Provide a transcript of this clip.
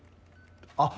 あっ！